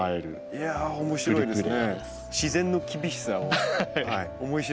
いや面白いですね。